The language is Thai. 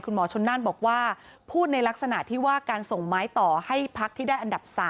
หมอชนน่านบอกว่าพูดในลักษณะที่ว่าการส่งไม้ต่อให้พักที่ได้อันดับ๓